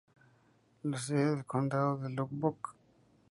La sede del condado es Lubbock.